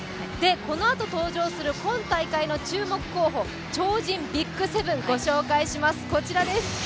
このあと登場する今大会の注目候補、超人ＢＩＧ７、ご紹介します、こちらです。